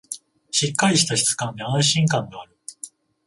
しっかりした質感で安心感がある